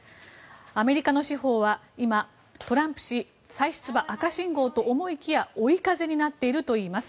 アメリカの司法は今、トランプ氏再出馬赤信号と思いきや追い風になっているといいます。